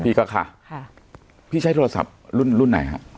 พี่ก็ค่ะค่ะพี่ใช้โทรศัพท์รุ่นรุ่นไหนฮะ